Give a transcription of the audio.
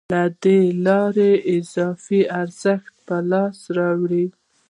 له دې لارې اضافي ارزښت په لاس راوړي